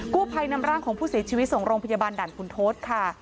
กู้ภัยนำร่างของผู้เสียชีวิตส่งโรงพยาบาลด่านคุณทศค่ะ